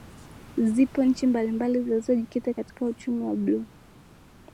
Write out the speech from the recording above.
Zipo nchi mbalimbali zilizojikita katika uchumi wa buluu